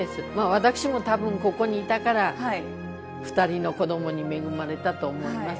私も多分ここにいたから二人の子供に恵まれたと思います。